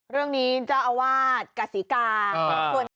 เรื่องนี้จะอวาดกษิกาย